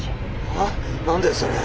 はあ⁉何だよそれ。